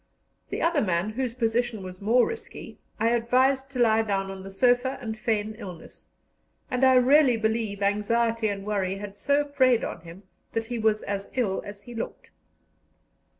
The other man, whose position was more risky, I advised to lie down on the sofa and feign illness; and I really believe anxiety and worry had so preyed on him that he was as ill as he looked.